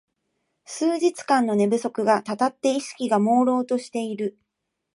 数日間の寝不足がたたって意識がもうろうとしている